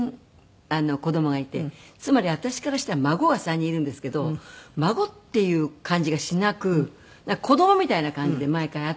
つまり私からしたら孫が３人いるんですけど孫っていう感じがしなく子供みたいな感じで毎回会っていて。